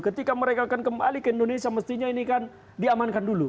ketika mereka akan kembali ke indonesia mestinya ini kan diamankan dulu